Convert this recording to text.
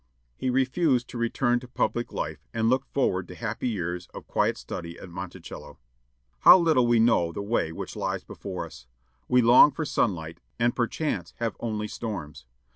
He refused to return to public life, and looked forward to happy years of quiet study at Monticello. How little we know the way which lies before us. We long for sunlight, and perchance have only storms.